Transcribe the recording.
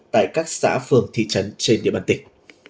tại các xã phường thị trấn trên địa bàn tỉnh